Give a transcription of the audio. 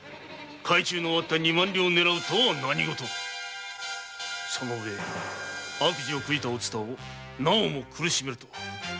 改鋳の終わった二万両を狙うとは何事だその上悪事を悔いたお蔦をなおも苦しめるとは。